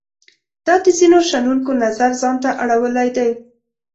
دا د ځینو شنونکو نظر ځان ته اړولای دی.